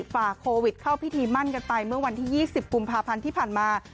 ฝ่าโควิดเข้าพิธีมั่นกันไปเมื่อวันที่๒๐กุมภาพันธ์ที่ผ่านมา